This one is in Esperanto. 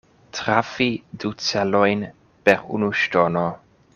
Trafi du celojn per unu ŝtono.